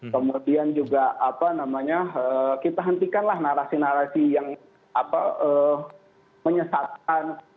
kemudian juga kita hentikanlah narasi narasi yang menyesatkan